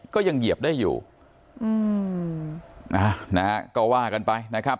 เหยียบได้อยู่อืมนะฮะก็ว่ากันไปนะครับ